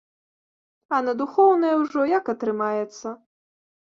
А на духоўнае ўжо як атрымаецца.